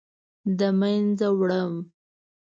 د مینځه وړم